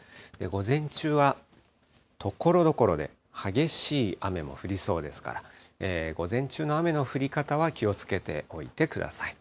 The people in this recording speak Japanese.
午前中はところどころで激しい雨も降りそうですから、午前中の雨の降り方は気をつけておいてください。